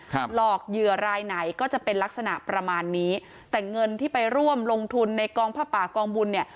หลอกเหยื่อรายไหนก็จะเป็นลักษณะประมาณนี้แต่เงินที่ไปร่วมลงทุนในกองผ้าป่ากองบุญเนี่ย